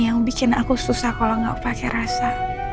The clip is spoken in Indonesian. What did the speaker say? yang bikin aku susah kalau nggak pakai rasa